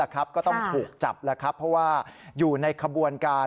ก็ต้องถูกจับเพราะว่าอยู่ในขบวนการ